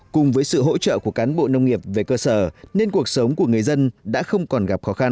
cùng với sự hỗ trợ của cán bộ nông nghiệp về cơ sở nên cuộc sống của người dân đã không còn gặp khó khăn